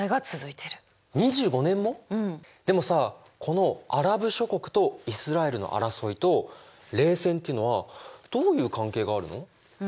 でもさこのアラブ諸国とイスラエルの争いと冷戦っていうのはどういう関係があるの？